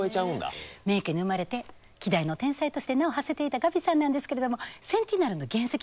名家に生まれて希代の天才として名をはせていたガビさんなんですけれどもセンティナリーの原石